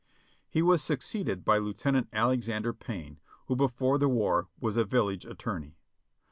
He was succeeded by Lieutenant Alexander Payne, who before the war was a village attorney.